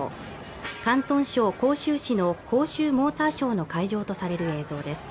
広東省広州市の広州モーターショーの会場とされる映像です。